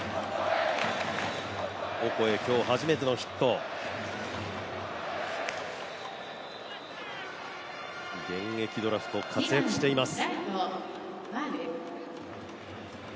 オコエ、今日初めてのヒット現役ドラフト、活躍しています。